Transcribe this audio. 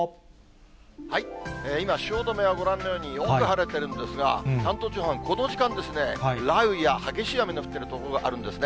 今、汐留はご覧のようによく晴れてるんですが、関東地方はこの時間、雷雨や激しい雨の降っている所があるんですね。